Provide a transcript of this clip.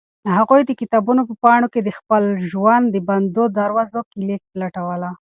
هغوی د کتابونو په پاڼو کې د خپل ژوند د بندو دروازو کیلي لټوله.